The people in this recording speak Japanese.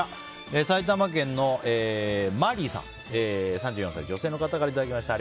埼玉県の３４歳女性の方からいただきました。